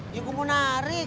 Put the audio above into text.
ya gue mau nari